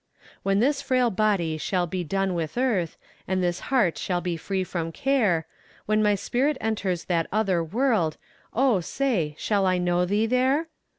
When this frail body shall be done with earth, And this heart shall be free from care; When my spirit enters that other world, Oh, say, shall I know thee there?